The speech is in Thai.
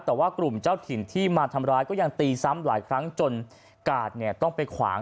แต่ว่ากลุ่มเจ้าถิ่นที่มาทำร้ายก็ยังตีซ้ำหลายครั้งจนกาดเนี่ยต้องไปขวาง